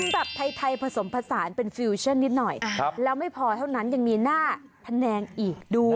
แบบไทยผสมผสานเป็นฟิวชั่นนิดหน่อยแล้วไม่พอเท่านั้นยังมีหน้าแผนงอีกด้วย